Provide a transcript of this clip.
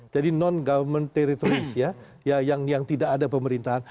jadi non government territories ya yang tidak ada pemerintahan